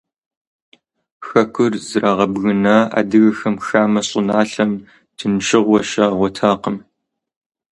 Хэкур зрагъэбгына адыгэхэм хамэ щӀыналъэм тыншыгъуэ щагъуэтакъым.